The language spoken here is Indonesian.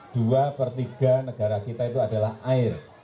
dua per tiga negara kita itu adalah air